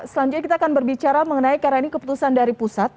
selanjutnya kita akan berbicara mengenai keputusan dari pusat